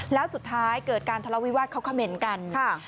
แล้วสุดท้ายเกิดการทะเลาวิวาสเขาเขม่นกัน